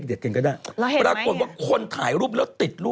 ไม่รอให้แห้งก่อนเหรอส่วนโรงเขาเห็นเป็นอะไรฮะ